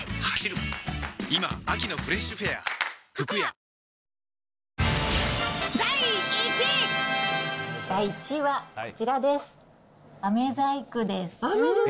このあと、第１位はこちらです。